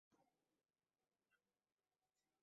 সে কি গেছে?